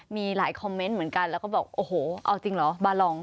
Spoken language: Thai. มีหลายคอมเมนต์เหมือนกันแล้วก็บอกโอ้โหเอาจริงเหรอบาลอง